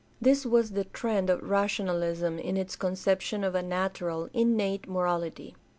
This was the trend of rationahsm in its conception of a natural, innate morality.